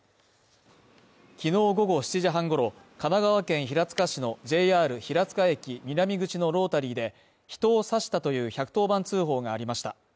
きのう午後７時半ごろ神奈川県平塚市のＪＲ平塚駅南口のロータリーで人を刺したという１１０番通報がありました。